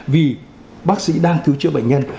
vì bác sĩ đang cứu chữa bệnh nhân